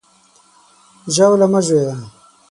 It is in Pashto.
ژاوله مه ژویه!